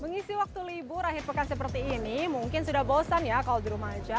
mengisi waktu libur akhir pekan seperti ini mungkin sudah bosan ya kalau di rumah aja